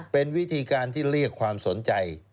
เป็นวิธีการที่เรียกความสนใจ